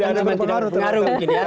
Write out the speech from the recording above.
tidak ada yang berpengaruh